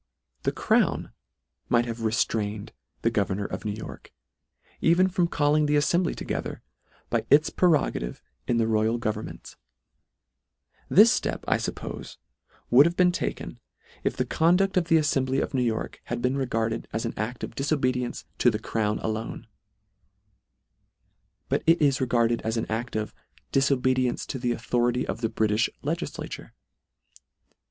The crown might have restrained the governor of New York, even from calling the aflembly toge ther, by its prerogative in the royal govern ments. This flep, I fuppofe, would have B io LETTER I . been taken, if the conduft of the affembly of New York, had been regarded as an aft of difobedience to the crown alone : but it is regarded as an aft of " difobedience to " the authority of the British Legisla " ture."